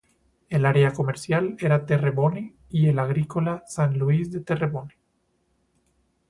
El área comercial era Terrebonne y el agrícola, Saint-Louis de Terrebonne.